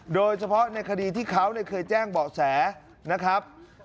โดยเฉพาะในคดีที่เขาเคยแจ้งเบาะแสนะครับ